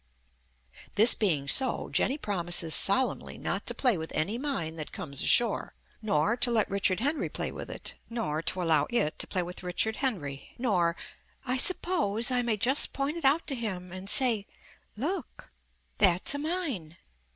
This being so, Jenny promises solemnly not to play with any mine that comes ashore, nor to let Richard Henry play with it, nor to allow it to play with Richard Henry, nor "I suppose I may just point it out to him and say, 'Look, that's a mine'?"